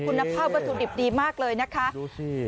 คุณน้ำผ้าประสูจน์ดิบดีมากเลยนะคะดูสิ